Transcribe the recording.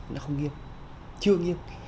nó không nghiêm chưa nghiêm